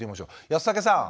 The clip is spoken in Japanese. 安武さん。